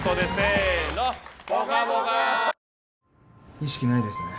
意識ないですね。